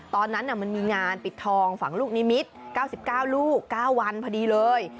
ตอนนั้นมันมีงานปิดทองฝังลูกนิมิตร๙๙ลูก๙วันพอดีเลย